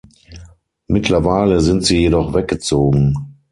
Mittlerweile sind sie jedoch weggezogen.